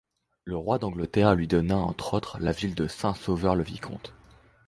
Le roi d'Angleterre lui donna entre autres la ville de Saint-Sauveur-le-Vicomte.